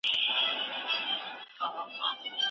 هندوستان ته را روان یو لوی لښکر دی